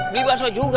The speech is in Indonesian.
beli bakso juga